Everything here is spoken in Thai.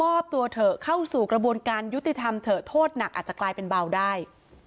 มอบตัวเถอะเข้าสู่กระบวนการยุติธรรมเถอะโทษหนักอาจจะกลายเป็นเบาได้